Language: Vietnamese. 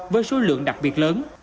với số lượng đặc biệt lớn